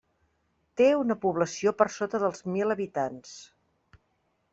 Té una població per sota dels mil habitants.